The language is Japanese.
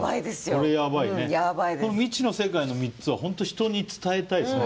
この「未知の世界」の３つは本当人に伝えたいですね。